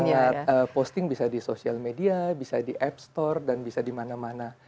jadi bisa sangat posting bisa di social media bisa di app store dan bisa di mana mana